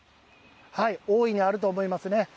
大いにあると思いますね。